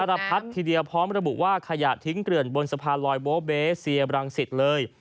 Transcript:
ระพัดทีเดียวพร้อมระบุว่าขยะทิ้งเกลื่อนบนสะพานลอยโบเบสเซียบรังสิตเลย